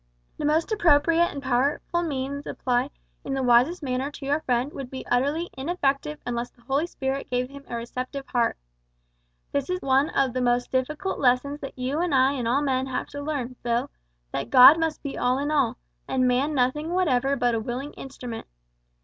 The most appropriate and powerful means applied in the wisest manner to your friend would be utterly ineffective unless the Holy Spirit gave him a receptive heart. This is one of the most difficult lessons that you and I and all men have to learn, Phil that God must be all in all, and man nothing whatever but a willing instrument.